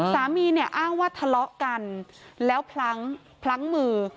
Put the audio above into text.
สามีเนี่ยอ้างว่าทะเลาะกันแล้วพลั้งพลั้งมือ